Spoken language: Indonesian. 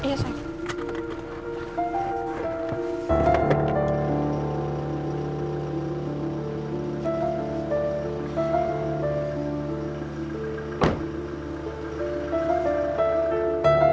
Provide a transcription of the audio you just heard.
bagaimana cara membuatnya